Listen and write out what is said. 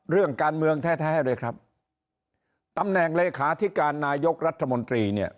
เรื่องการเมืองแท้แท้เลยครับตำแหน่งเลขาธิการนายกรัฐมนตรีเนี่ย